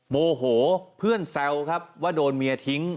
โมโหเพื่อนแซวครับว่าโดนเมียทิ้ง